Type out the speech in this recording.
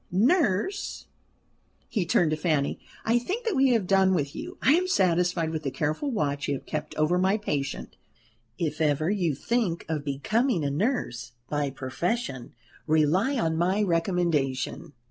Nurse," he turned to Fanny, "I think that we have done with you. I am satisfied with the careful watch you have kept over my patient. If ever you think of becoming a nurse by profession, rely on my recommendation.